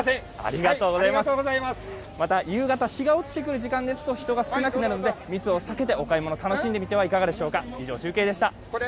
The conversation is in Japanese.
また夕方、日が落ちてくる時間帯ですと、人がすいてきますので、密を避けてお買い物、楽しんでみてはいかがでしょうか。